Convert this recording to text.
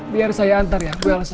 biar saya antar ya bu alisa